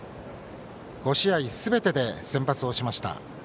５試合すべてで先発しました。